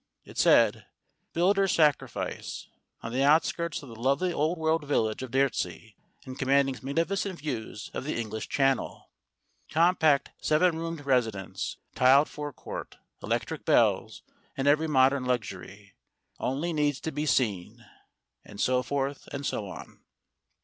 It said : "Builder's sacrifice. On the outskirts of the lovely old world village of Dyrtisea, and commanding magnificent views of the English Channel. Compact seven roomed residence, tiled forecourt, electric bells, and every modern luxury. Only needs to be seen." And so forth and so on.